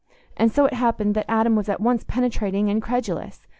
And so it happened that Adam was at once penetrating and credulous.